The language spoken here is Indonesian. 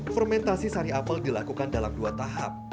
fermentasi sari apel dilakukan dalam dua tahap